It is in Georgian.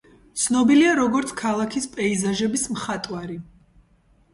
ცნობილია, როგორც ქალაქის პეიზაჟების მხატვარი.